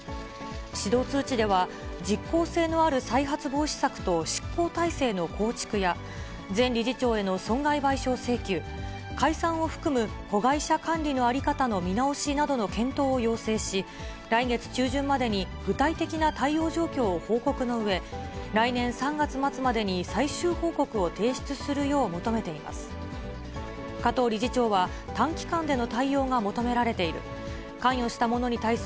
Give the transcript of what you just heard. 指導通知では、実効性のある再発防止策と執行体制の構築や、前理事長への損害賠償請求、解散を含む子会社管理の在り方の見直しなどの検討を要請し、来月中旬までに具体的な対応状況を報告のうえ、来年３月末までに最終報告を提出するよう求めています。